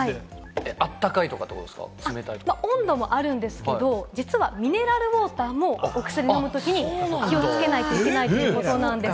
温度もあるんですが、実はミネラルウォーターもお薬飲むときに気をつけなければいけないということなんです。